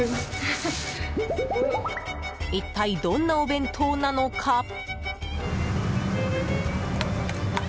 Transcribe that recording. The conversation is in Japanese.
一体、どんなお弁当なのか？